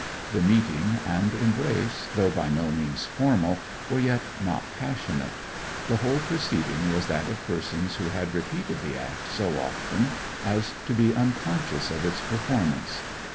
The meeting and embrace, though by no means formal, were yet not passionate; the whole proceeding was that of persons who had repeated the act so often as to be unconscious of its performance.